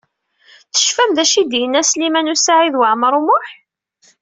Tecfam d acu i d-yenna Sliman U Saɛid Waɛmaṛ U Muḥ?